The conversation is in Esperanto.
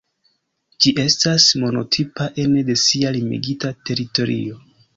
Ĝi estas monotipa ene de sia limigita teritorio.